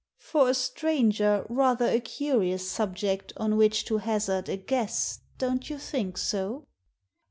" For a stranger, rather a curious subject on which to hazard a guess, don't you think so?